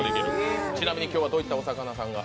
ちなみに今日はどういったお魚さんが？